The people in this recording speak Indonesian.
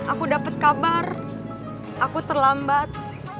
aku dapat kabar aku terlambat